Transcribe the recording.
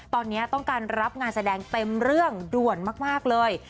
ตอนนี้ต้องการรับงานแสดงเต็มเรื่องด่วนมากเลย